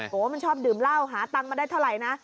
โกมันชอบดื่มเหล้าหาเงินมาได้เท่าไรนะ